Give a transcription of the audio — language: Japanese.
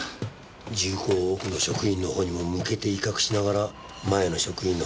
銃口を奥の職員のほうにも向けて威嚇しながら前の職員のほうに接近してるな。